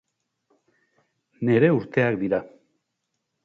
Nere urteak dira.